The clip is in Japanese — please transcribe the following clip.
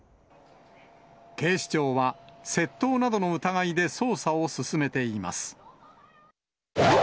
警視庁は、窃盗などの疑いで捜査を進めています。